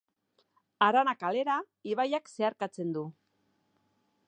Harana Kalera ibaiak zeharkatzen du.